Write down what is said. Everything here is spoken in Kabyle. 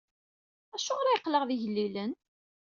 Acuɣer i aql-aɣ d igellilen?